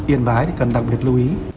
yên bái thì cần đặc biệt lưu ý